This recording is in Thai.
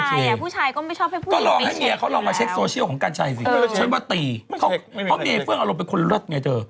เขาไม่มีันฟื้นอารมณ์ไปคุณแล้วไงเจอ